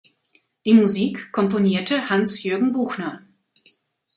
Die Musik komponierte Hans-Jürgen Buchner.